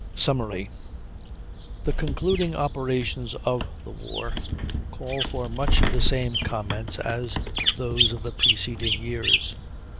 Summary. The concluding operations of the war call for much the same comments as those of the preceding years.